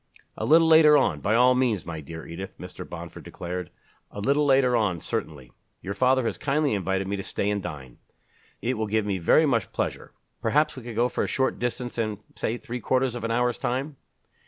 "A little later on, by all means, my dear Edith," Mr. Bomford declared. "A little later on, certainly. Your father has kindly invited me to stay and dine. It will give me very much pleasure. Perhaps we could go for a short distance in say three quarters of an hour's time?"